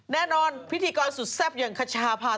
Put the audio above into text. แน่นอนพิธีกรสุดแซ่บอย่างคชาพา